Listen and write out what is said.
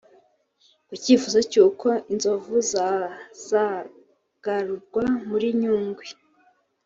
Ku cyifuzo cy’uko inzovu zazagarurwa muri Nyungwe